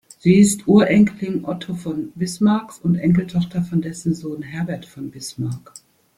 Sie ist Urenkelin Otto von Bismarcks und Enkeltochter von dessen Sohn Herbert von Bismarck.